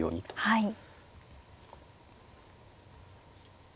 はい。